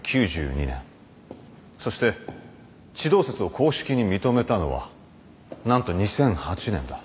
そして地動説を公式に認めたのは何と２００８年だ。